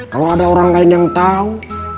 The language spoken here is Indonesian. kalau ada orang lain yang tahu